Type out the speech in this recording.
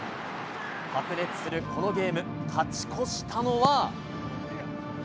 白熱するこのゲーム、勝ち越したのは。